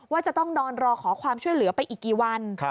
ว่าจะต้องนอนรอขอความช่วยเหลือไปอีกกี่วัน